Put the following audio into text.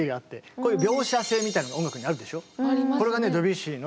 こういう描写性みたいのが音楽にあるでしょう。